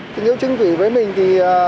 tình yêu chung thủy với mình thì